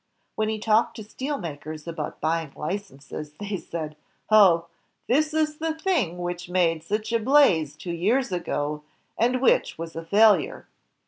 When he talked to steel makers about buying licenses, they said: "Oh, this is the thing which made such a blaze two years ago, and which was a failure."